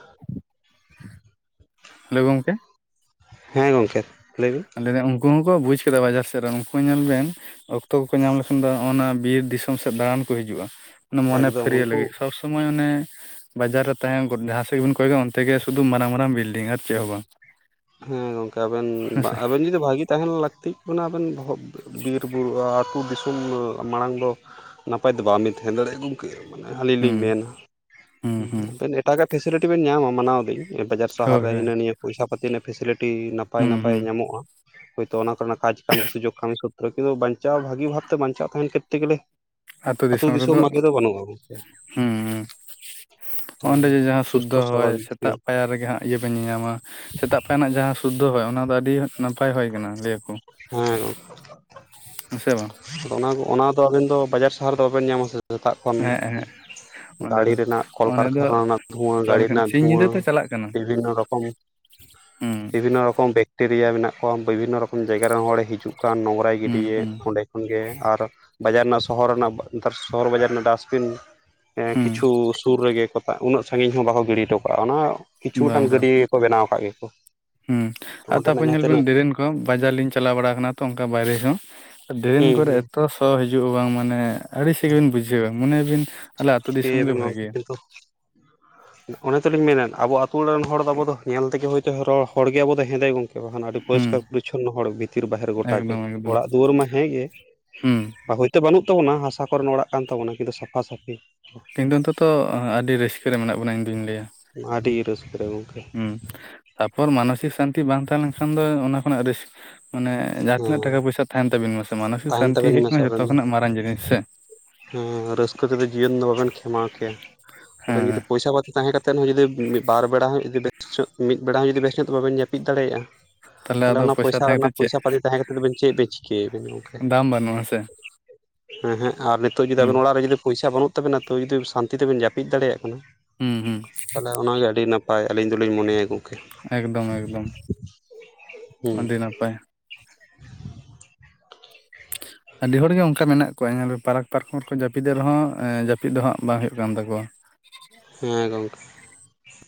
ᱦᱮᱞᱳ ᱜᱚᱝᱠᱮ ᱦᱮᱸ ᱜᱚᱝᱠᱮ ᱞᱟᱹᱭᱵᱤᱱ ᱞᱟᱹᱭᱫᱟ ᱩᱱᱠᱩ ᱦᱚᱸᱠᱚ ᱵᱩᱡ ᱠᱟᱫᱟ ᱵᱟᱡᱟᱨ ᱥᱮᱫ ᱨᱮᱱ ᱩᱱᱠᱩ ᱧᱮᱞ ᱵᱮᱱ ᱚᱠᱛᱚ ᱠᱚᱠᱚ ᱧᱟᱢ ᱞᱮᱠᱷᱟᱱ ᱫᱚ ᱚᱱᱟ ᱵᱤᱨ ᱫᱤᱥᱚᱢ ᱥᱮᱫ ᱫᱟᱬᱟᱱ ᱠᱚ ᱦᱤᱡᱩᱜᱼᱟ᱾ ᱚᱱᱟ ᱢᱚᱱᱮ ᱮᱠᱫᱚᱢ ᱯᱷᱟᱹᱨᱭᱟᱹ ᱩᱱᱠᱩ ᱞᱟᱹᱜᱤᱫ ᱥᱚᱵ ᱥᱚ ᱥᱚᱢᱚᱭ ᱚᱱᱮ ᱵᱟᱡᱟᱨ ᱨᱮ ᱛᱟᱦᱮᱸ ᱡᱟᱦᱟᱸ ᱥᱮᱫ ᱜᱮᱵᱤᱱ ᱠᱚᱭᱚᱜᱟ ᱚᱱᱛᱮ ᱜᱮ ᱥᱩᱫᱷᱩ ᱢᱟᱨᱟᱝ ᱢᱟᱨᱟᱝ ᱵᱤᱞᱰᱤᱝ ᱟᱨ ᱪᱮᱫ ᱦᱚᱸ ᱵᱟᱝ᱾ ᱦᱮᱸ ᱜᱚᱝᱠᱮ ᱟᱵᱮᱱ ᱦᱮᱸᱥᱮ ᱟᱵᱮᱱ ᱡᱩᱫᱤ ᱵᱷᱟᱜᱤ ᱛᱟᱦᱮᱱ ᱞᱟᱹᱠᱛᱤᱜ ᱠᱟᱱᱟ ᱟᱵᱮᱱ ᱵᱚᱦᱚᱜ ᱵᱤᱨᱵᱩᱨᱩ ᱟᱹᱛᱩ ᱫᱤᱥᱚᱢ ᱢᱟᱲᱟᱝ ᱫᱚ ᱱᱟᱯᱟᱭ ᱫᱚ ᱵᱟᱝ ᱵᱤᱱ ᱛᱟᱦᱮᱸ ᱫᱟᱲᱮᱭᱟᱜᱼᱟ ᱜᱚᱢ ᱢᱟᱱᱮ ᱟᱹᱞᱤᱧ ᱞᱤᱧ ᱦᱩᱸ ᱢᱮᱱᱟ᱾ ᱦᱩᱸ ᱟᱵᱮᱱ ᱮᱴᱟᱜᱟᱜ ᱯᱷᱮᱥᱮᱞᱤᱴᱤ ᱵᱮᱱ ᱧᱟᱢᱟ ᱢᱟᱱᱟᱣ ᱫᱤᱧ᱾ ᱮ ᱵᱟᱡᱟᱨ ᱥᱟᱦᱟᱨ ᱦᱳᱭ ᱨᱮ ᱦᱳᱭ ᱦᱤᱱᱟᱹ ᱱᱤᱭᱟᱹ ᱯᱚᱭᱥᱟ ᱯᱟᱹᱛᱤ ᱨᱮᱱᱟᱜ ᱯᱷᱮᱥᱮᱞᱤᱴᱤ ᱱᱟᱯᱟᱭ ᱦᱩᱸ ᱱᱟᱯᱟᱭ ᱦᱩᱸ ᱧᱟᱢᱚᱜᱼᱟ, ᱦᱳᱭᱛᱚ ᱚᱱᱟ ᱠᱚᱨᱮᱱᱟᱜ ᱠᱟᱡ ᱠᱟᱢ ᱠᱚ ᱥᱩᱡᱳᱜ ᱠᱟᱹᱢᱤ ᱥᱩᱛᱛᱨᱚ ᱠᱤᱱᱛᱩ ᱵᱟᱧᱪᱟᱣ ᱵᱷᱟᱹᱜᱤ ᱵᱷᱟᱵᱛᱮ ᱵᱟᱧᱪᱟᱣ ᱛᱟᱦᱮᱱ ᱠᱚᱨᱛᱮ ᱜᱮᱞᱮ ᱟᱹᱛᱩ ᱫᱤᱥᱚᱢ ᱟᱜᱮ ᱫᱚ ᱵᱟᱹᱱᱩᱜᱼᱟ ᱜᱚᱝᱠᱮ᱾ ᱦᱩᱸ ᱦᱩᱸ ᱚᱸᱰᱮ ᱡᱮ ᱡᱟᱦᱟᱸ ᱥᱩᱫᱽᱫᱷᱚ ᱦᱚᱭ, ᱡᱤᱭᱚᱱ ᱥᱮᱛᱟᱜ ᱯᱟᱭᱟᱨ ᱨᱮᱜᱮ ᱦᱟᱸᱜ ᱤᱭᱟᱹ ᱵᱤᱱ ᱧᱮᱧᱟᱢᱟ, ᱥᱮᱛᱟᱜ ᱯᱟᱭᱟᱨ ᱨᱮᱱᱟᱜ ᱡᱟᱦᱟᱸ ᱥᱩᱫᱽᱫᱷᱚ ᱦᱚᱭ ᱚᱱᱟ ᱫᱚ ᱟᱹᱰᱤ ᱱᱟᱯᱟᱭ ᱦᱚᱭ ᱠᱟᱱᱟ ᱞᱟᱹᱭᱟᱠᱚ᱾ ᱦᱮᱸ ᱥᱮ ᱵᱟᱝ? ᱟᱫᱟ ᱚᱱᱟ ᱜᱚ ᱚᱱᱟ ᱫᱚ ᱟᱵᱮᱱ ᱫᱚ ᱵᱟᱡᱟᱨ ᱥᱟᱦᱟᱨ ᱨᱮᱫᱚ ᱵᱟᱵᱮᱱ ᱧᱟᱢᱟ ᱥᱮ ᱥᱮᱛᱟᱜ ᱠᱷᱚᱱ᱾ ᱦᱮᱸ ᱦᱮᱸ ᱚᱸᱰᱮ ᱜᱟᱹᱲᱤ ᱫᱚ ᱨᱮᱱᱟᱜ ᱚᱸᱰᱮ ᱫᱚ ᱠᱚᱞᱠᱟᱨᱠᱷᱟᱱᱟ ᱨᱮᱱᱟᱜ ᱫᱷᱩᱣᱟᱹ, ᱪᱟᱞ ᱜᱟᱹᱲᱤ ᱠᱟᱱᱟ ᱨᱮᱱᱟᱜ ᱥᱤᱧ ᱫᱷᱩᱣᱟᱹ ᱧᱤᱫᱟᱹ ᱛᱚ ᱪᱟᱞᱟᱜ ᱠᱟᱱᱟ ᱵᱤᱵᱷᱤᱱᱱᱚ ᱨᱚᱠᱚᱢ ᱦᱩᱸ᱾ ᱠᱚᱢ ᱵᱮᱠᱴᱮᱨᱤᱭᱟ ᱢᱮᱱᱟᱜ ᱠᱚᱣᱟ, ᱵᱤᱵᱷᱤᱱᱱᱚ ᱨᱚᱠᱚᱢ ᱡᱟᱭᱜᱟ ᱨᱮᱱ ᱦᱚᱲᱮ ᱦᱤᱡᱩᱜ ᱠᱟᱱ, ᱱᱚᱝᱨᱟᱭ ᱦᱩᱸ ᱜᱤᱰᱤᱭᱮᱫ ᱦᱩᱸ ᱚᱸᱰᱮ᱾ ᱠᱷᱚᱱᱜᱮ ᱟᱨ ᱵᱟᱡᱟᱨ ᱨᱮᱱᱟᱜ, ᱥᱚᱦᱚᱨ ᱨᱮᱱᱟᱜ ᱱᱮᱛᱟᱨ ᱥᱚᱦᱚᱨ ᱵᱟᱡᱟᱨ ᱨᱮᱱᱟᱜ ᱰᱟᱥᱴᱵᱤᱱ ᱮᱸ ᱠᱤᱪᱷᱩ ᱦᱩᱸ ᱥᱩᱨ ᱨᱮᱜᱮ ᱠᱚ ᱛᱟ ᱩᱱᱟᱹᱜ ᱥᱟᱺᱜᱤᱧ ᱦᱚᱸ ᱵᱟᱠᱚ ᱜᱤᱰᱤ ᱦᱚᱴᱚ ᱠᱟᱜᱼᱟ ᱚᱱᱟ ᱠᱤᱪᱷᱩ ᱵᱟᱝ ᱢᱤᱫᱴᱟᱝ ᱵᱟᱝ ᱜᱟᱹᱰᱭᱟᱹ ᱜᱮᱠᱚ ᱵᱮᱱᱟᱣ ᱟᱠᱟᱫ ᱜᱮᱠᱚ᱾ ᱦᱩᱸ ᱟᱨ ᱚᱸᱰᱮᱱᱟᱜ ᱛᱟᱨᱯᱚᱨ ᱡᱟᱦᱟᱸ ᱧᱮᱞᱵᱤᱱ ᱛᱤᱱᱟᱹᱜ ᱰᱨᱮᱱ ᱠᱚᱦᱚᱸ ᱵᱟᱡᱟᱨ ᱞᱤᱧ ᱪᱟᱞᱟᱣ ᱵᱟᱲᱟᱣ ᱟᱠᱟᱱᱟ ᱛᱚ ᱚᱱᱠᱟ ᱵᱟᱭᱨᱮ ᱦᱚᱸ᱾ ᱰᱨᱮᱱ ᱦᱩᱸ ᱠᱚᱨᱮ ᱦᱩᱸ ᱮᱛᱚ ᱥᱚ ᱦᱤᱡᱩᱜᱼᱟ ᱵᱟᱝ ᱢᱟᱱᱮ ᱟᱹᱲᱤᱥᱮᱜᱮᱵᱤᱱ ᱵᱩᱡᱷᱟᱹᱣᱟ ᱢᱚᱱᱮᱭᱟᱵᱤᱱ ᱟᱞᱮ ᱟᱹᱛᱩ ᱫᱤᱥᱚᱢ ᱜᱮ ᱪᱤᱠᱟᱹᱭᱟᱵᱮᱱ ᱵᱷᱟᱜᱮᱭᱟ᱾ [inaudible] [inaudible] ᱚᱱᱮ ᱛᱮᱞᱤᱧ ᱢᱮᱱᱮᱫ ᱟᱵᱚ ᱟᱹᱛᱩ ᱚᱲᱟᱜ ᱨᱮᱱ ᱦᱚᱲ ᱫᱚ ᱟᱵᱚ ᱫᱚ ᱧᱮᱞ ᱛᱮᱜᱮ ᱦᱳᱭᱛᱚ ᱦᱚᱲᱜᱮ ᱟᱵᱚ ᱫᱚ ᱦᱮᱸᱫᱮ ᱜᱚᱝᱠᱮ ᱵᱟᱠᱷᱟᱱ ᱟᱹᱰᱤ ᱦᱩᱸ ᱯᱚᱨᱤᱥᱠᱟᱨ ᱯᱚᱨᱤᱪᱷᱚᱱᱱᱚ ᱦᱚᱲ ᱵᱷᱤᱛᱤᱨ ᱵᱟᱦᱮᱨ ᱜᱚᱴᱟ ᱜᱮ, ᱮᱠᱫᱚᱢ ᱮᱠᱫᱚᱢ ᱚᱲᱟᱜ ᱫᱩᱣᱟᱹᱨ ᱢᱟ ᱦᱮᱸᱜᱮ᱾ ᱦᱩᱸ [unintelligible] ᱛᱮ ᱵᱟᱹᱱᱩᱜ ᱛᱟᱵᱚᱱᱟ ᱦᱟᱥᱟ ᱠᱚᱨᱮᱱ ᱚᱲᱟᱜ ᱠᱟᱱ ᱛᱟᱵᱚᱱᱟ ᱠᱤᱱᱛᱩ ᱥᱟᱯᱷᱟ ᱥᱟᱹᱯᱤ᱾ ᱛᱮᱦᱮᱧ ᱫᱚ ᱚᱱᱛᱚᱛᱚ ᱟᱹᱰᱤ ᱨᱟᱹᱥᱠᱟᱹ ᱨᱮ ᱢᱮᱱᱟᱜ ᱵᱚᱱᱟ ᱤᱧᱫᱩᱧ ᱞᱟᱹᱭᱟ᱾ ᱟᱹᱰᱤ ᱨᱟᱹᱥᱠᱟᱹ ᱨᱮ ᱜᱚᱝᱠᱮ᱾ ᱦᱩᱸ᱾ ᱛᱟᱯᱚᱨ ᱢᱟᱱᱚᱥᱤᱠ ᱥᱟᱱᱛᱤ ᱵᱟᱝ ᱛᱟᱦᱮᱸᱞᱱᱠᱷᱟᱱ ᱫᱚ ᱚᱱᱟ ᱠᱷᱚᱱᱟᱜ ᱨᱟᱹᱥ ᱢᱟᱱᱮ ᱡᱟᱦᱟᱸ ᱛᱤᱱᱟᱹᱜ ᱦᱮᱸ ᱴᱟᱠᱟ ᱯᱚᱭᱥᱟ ᱛᱟᱦᱮᱱ ᱛᱟᱵᱤᱱ ᱢᱟᱥᱮ ᱢᱟᱱᱚᱥᱤᱠ ᱛᱟᱦᱮᱱ ᱥᱟᱱᱛᱤ ᱛᱟᱵᱮᱱ ᱦᱩᱭᱩᱜᱳ ᱠᱟᱱᱟ ᱡᱚᱛᱚ ᱠᱷᱚᱱᱟᱜ ᱢᱟᱨᱟᱝ ᱡᱤᱱᱤᱥ ᱥᱮ᱾ ᱦᱮ ᱨᱟᱹᱥᱠᱟᱹ ᱛᱮᱫᱚ ᱡᱤᱭᱚᱱ ᱫᱚ ᱵᱟᱵᱮᱱ ᱠᱷᱮᱢᱟᱣ ᱠᱮᱭᱟ᱾ ᱟᱵᱮᱱ ᱡᱩᱫᱤ ᱦᱮᱸ ᱯᱚᱭᱥᱟ ᱯᱟᱛᱤ ᱛᱟᱦᱮᱸ ᱠᱟᱛᱮ ᱠᱟᱛᱮᱫ ᱦᱚᱸ ᱡᱩᱫᱤ ᱢᱤᱫ ᱵᱟᱨ ᱵᱮᱲᱟ ᱦᱚᱸ ᱡᱩᱫᱤ ᱵᱮᱥᱚᱜ ᱧᱚᱜ ᱢᱤᱫ ᱵᱮᱲᱟ ᱦᱚᱸ ᱡᱩ ᱵᱮᱥ ᱧᱚᱜ ᱛᱮ ᱵᱟᱵᱮᱱ ᱡᱟᱹᱯᱤᱫ ᱫᱟᱲᱮᱭᱟᱜᱼᱟ᱾ ᱛᱟᱦᱚᱞᱮ ᱟᱫᱚ ᱚᱱᱟ ᱯᱚᱭᱥᱟ ᱛᱟᱦᱮᱸ ᱠᱟᱛᱮᱫ ᱪᱮᱫ ᱯᱚᱭᱥᱟ ᱯᱟᱞᱤᱯ ᱛᱟᱦᱮᱸ ᱠᱟᱛᱮ ᱫᱚᱵᱮᱱ ᱪᱮᱫ ᱵᱮᱱ ᱪᱤᱠᱟᱹᱭᱟᱵᱮᱱ ᱜᱚᱝᱠᱮ᱾ ᱫᱟᱢ ᱵᱟᱹᱱᱩᱜᱼᱟ ᱥᱮ ᱮᱸ-ᱦᱮᱸᱜ ᱟᱨ ᱱᱤᱛᱚᱜ ᱡᱩᱫᱤ ᱦᱩᱸ ᱟᱵᱮᱱ ᱚᱲᱟᱜ ᱨᱮ ᱡᱩᱫᱤ ᱯᱚᱭᱥᱟ ᱵᱟᱹᱱᱩᱜ ᱛᱟᱵᱱᱟᱚ ᱛᱟᱹᱣ ᱡᱩᱫᱤ ᱥᱟᱱᱛᱤ ᱛᱮᱵ ᱡᱟᱹᱯᱤᱫ ᱫᱟᱲᱮᱭᱟᱜ ᱠᱟᱱᱟ᱾ ᱦᱩᱸ ᱦᱩᱸ᱾ ᱛᱟᱦᱚᱞᱮ ᱚᱱᱟᱜᱮ ᱟᱹᱰᱤ ᱱᱟᱯᱟᱭ ᱟᱹᱞᱤᱧ ᱫᱚᱞᱤᱧ ᱢᱚᱱᱮᱭᱟ ᱜᱚᱝ ᱮᱠᱫᱚᱢ ᱮᱠᱫᱚᱢ ᱦᱮᱸ ᱟᱹᱰᱤ ᱱᱟᱯᱟᱭ᱾ [inaudible] ᱟᱹᱰᱤ ᱦᱚᱲᱜᱮ ᱚᱱᱠᱟ ᱢᱮᱱᱟᱜ ᱠᱚᱣᱟ ᱧᱮᱞ ᱵᱮᱱ ᱯᱟᱨᱟᱠ ᱯᱟᱨᱠᱚᱢ ᱨᱮᱠᱚ ᱡᱟᱹᱯᱤᱫᱮᱜ ᱨᱮᱦᱚᱸ ᱮᱸ ᱡᱟᱹᱯᱤᱫ ᱫᱚ ᱦᱟᱸᱜ ᱵᱟᱝ ᱦᱩᱭᱩᱜ ᱠᱟᱱ ᱛᱟᱠᱚᱣᱟ᱾ ᱦᱮᱸ ᱜᱚᱝᱠᱮ᱾